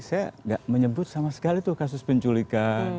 saya nggak menyebut sama sekali tuh kasus penculikan